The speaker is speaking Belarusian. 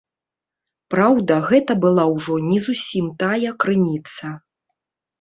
Праўда, гэта была ўжо не зусім тая крыніца.